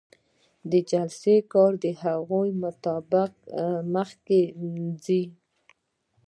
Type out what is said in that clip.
د جلسې کار د هغې مطابق مخکې ځي.